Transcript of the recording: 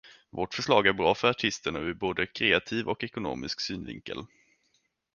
Vårt förslag är bra för artisterna ur både kreativ och ekonomisk synvinkel.